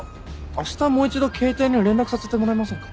あしたもう一度携帯に連絡させてもらえませんか？